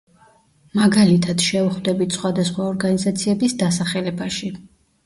მაგალითად, შევხვდებით სხვადასხვა ორგანიზაციების დასახელებაში.